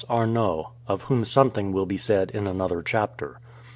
Arnot, of whom something will be said in another chapter.